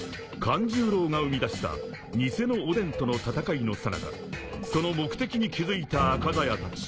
［カン十郎が生み出した偽のおでんとの戦いのさなかその目的に気付いた赤鞘たち］